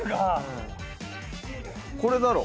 これだろ。